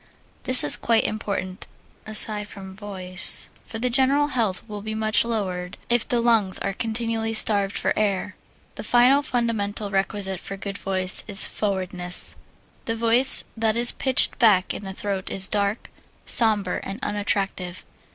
This is quite important, aside from voice, for the general health will be much lowered if the lungs are continually starved for air. The final fundamental requisite for good voice is 3. Forwardness A voice that is pitched back in the throat is dark, sombre, and unattractive.